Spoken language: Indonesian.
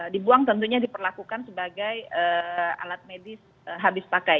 dibuang tentunya diperlakukan sebagai alat medis habis pakai